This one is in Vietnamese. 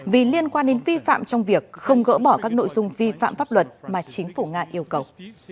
vì liên quan đến vi phạm trong việc không gỡ bỏ các nội dung vi phạm pháp luật mà chính phủ nga yêu cầu